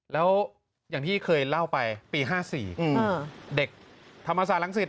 แล้วอย่างที่เคยเล่าไปปีห้าสี่อืมอืมเด็กธรรมศาสตร์รังสิทธิ์